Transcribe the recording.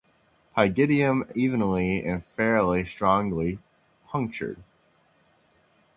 Pygidium evenly and fairly strongly punctured.